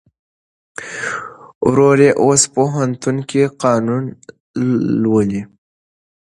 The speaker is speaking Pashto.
ورور یې اوس پوهنتون کې قانون لولي.